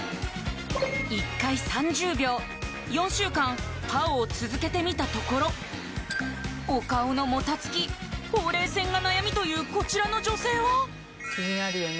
１回３０秒４週間ＰＡＯを続けてみたところお顔のもたつきほうれい線が悩みというこちらの女性は気になるよね